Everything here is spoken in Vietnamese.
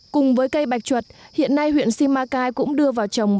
cùng với cây bạch chuột hiện nay huyện simacai cũng đưa vào trồng và nhân dân